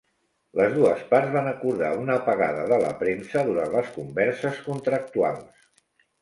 Les dues parts van acordar una apagada de la premsa durant les converses contractuals.